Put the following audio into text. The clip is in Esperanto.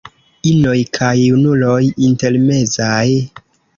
Inoj kaj junuloj intermezaj.